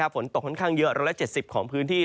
ฝนตกค่อนข้างเยอะ๑๗๐ของพื้นที่